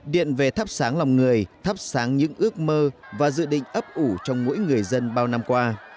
điện về thắp sáng lòng người thắp sáng những ước mơ và dự định ấp ủ trong mỗi người dân bao năm qua